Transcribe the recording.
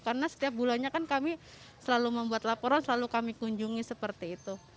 karena setiap bulannya kan kami selalu membuat laporan selalu kami kunjungi seperti itu